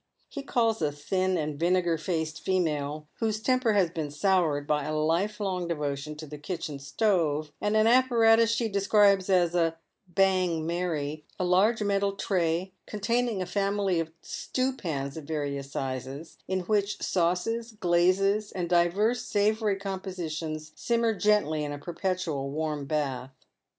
He calls a thin and vinegar faced female, whose temper has been soured bj' a life long devotion to the kitchen stove, and an apparatus she describes as a " bang Mary "— a large metal tray, containing a family of Btew pans of various sizes, in which sauces, glazes, and divers savoury compositions simmer gently in a perpetual warm bath.